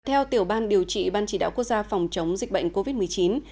theo tiểu ban điều trị ban chỉ đạo quốc gia phòng chống dịch bệnh covid một mươi chín